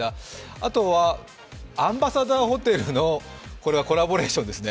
あとはアンバサダーホテルのコラボレーションですね。